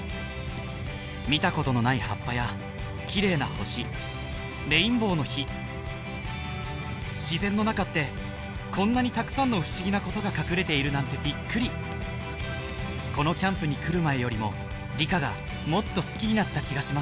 見たことのない葉っぱや綺麗な星レインボーの火自然の中ってこんなにたくさんの不思議なことが隠れているなんてびっくりこのキャンプに来る前よりも理科がもっと好きになった気がします